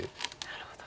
なるほど。